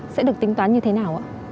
sẽ được tính toán như thế nào ạ